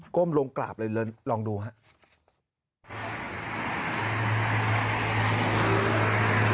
้มลงกราบเลยลองดูครับ